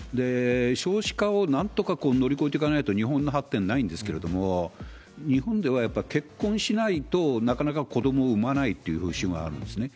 少子化をなんとか乗り越えていかないと、日本の発展ないんですけれども、日本では、やっぱり結婚しないと、なかなか子どもを産まないっていう風習があるんですね。